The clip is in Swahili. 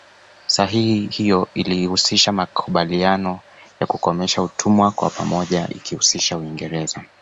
Sahihi iyo ilihusisha makubaliano ya kukomesha utumwa kwa pamoja ikiihusisha Uingereza